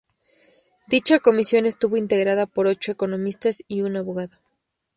Dicha comisión estuvo integrada por ocho economistas y un abogado.